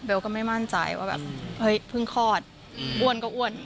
ก็ไม่มั่นใจว่าแบบเฮ้ยเพิ่งคลอดอ้วนก็อ้วน